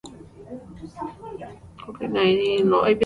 The film received mixed responses from critics.